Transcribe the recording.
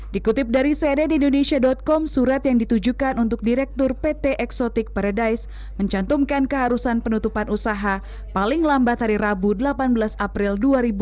dikutip dari cnn indonesia com surat yang ditujukan untuk direktur pt eksotik paradise mencantumkan keharusan penutupan usaha paling lambat hari rabu delapan belas april dua ribu dua puluh